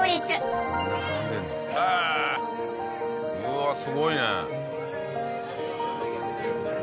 うわっすごいね。